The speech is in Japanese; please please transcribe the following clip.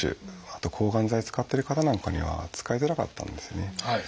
あと抗がん剤使ってる方なんかには使いづらかったんですよね。